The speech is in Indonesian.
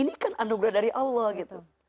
dan ini kan anugerah dari allah gitu